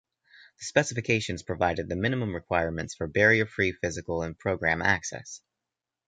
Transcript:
The specifications provided the minimum requirements for barrier free physical and program access.